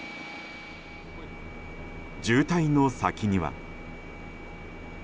渋滞の先には。